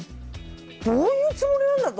どういうつもりなんだと。